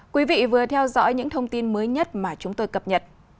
quý vị vừa theo dõi những thông tin mới nhất mà chúng tôi cập nhật